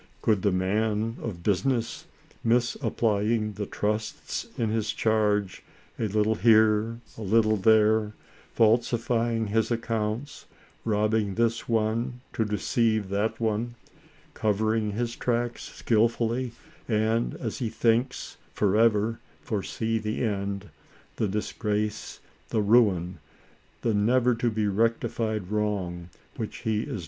Could the man of business, misapplying the trusts in his charge, a little here a little there, falsifying his accounts, robbing this one to deceive that one, covering his tracks skillfully, and, as he thinks, forever, foresee the end, the disgrace, the ruin, the never to be rectified wrong which he is ALICE ; OR, THE WAGES OF SIN.